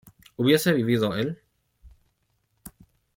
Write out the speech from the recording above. ¿hubiese vivido él?